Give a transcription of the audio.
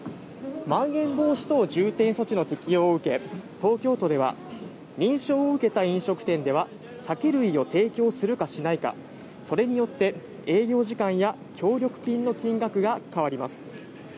まん延防止等重点措置の適用を受け、東京都では、認証を受けた飲食店では、酒類を提供するかしないか、それによって営業時間や協力金の金額が変わります。